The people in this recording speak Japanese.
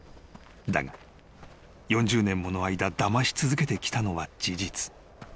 ［だが４０年もの間だまし続けてきたのは事実］